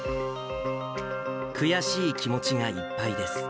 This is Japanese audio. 悔しい気持ちがいっぱいです。